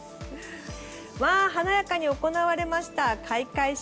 華やかに行われました開会式。